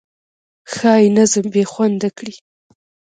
ښایي نظم بې خونده کړي.